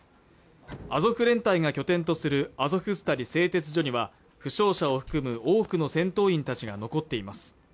アゾフ連隊が拠点とするアゾフスタリ製鉄所には負傷者を含む多くの戦闘員たちが残っています